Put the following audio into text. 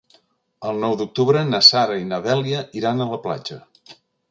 El nou d'octubre na Sara i na Dèlia iran a la platja.